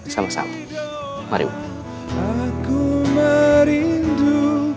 sama sama mari bu